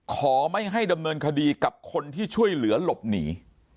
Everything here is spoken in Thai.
ขอให้ดำเนินคดีกับคนที่ช่วยเหลือหลบหนี